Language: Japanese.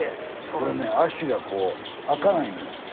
俺ね足がこう開かないのよ